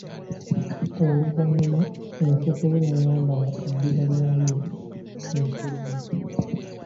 Oluvannyuma ensekere n'eyambala eddiba lyayo, n'efuluma.